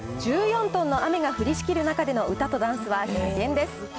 １４トンの雨が降りしきる中での歌とダンスは必見です。